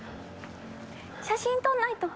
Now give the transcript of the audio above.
写真撮らないと。